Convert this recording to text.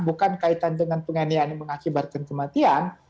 bukan kaitan dengan penganiayaan yang mengakibatkan kematian